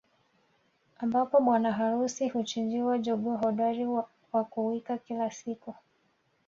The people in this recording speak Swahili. Ambapo bwana harusi huchinjiwa jogoo hodari wa kuwika kila siku